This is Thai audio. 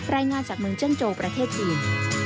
รายงานจากเมืองเจินโจประเทศจีน